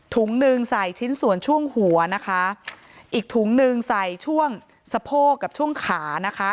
หนึ่งใส่ชิ้นส่วนช่วงหัวนะคะอีกถุงหนึ่งใส่ช่วงสะโพกกับช่วงขานะคะ